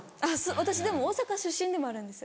私でも大阪出身でもあるんです。